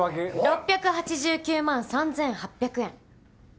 ６８９万３，８００円。